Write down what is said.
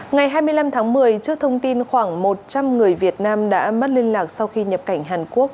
ngày hai mươi năm tháng một mươi trước thông tin khoảng một trăm linh người việt nam đã mất liên lạc sau khi nhập cảnh hàn quốc